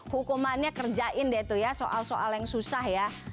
hukumannya kerjain deh tuh ya soal soal yang susah ya